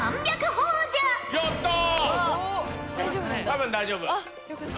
多分大丈夫。